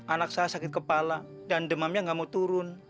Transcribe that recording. anak saya sakit kepala dan demamnya nggak mau turun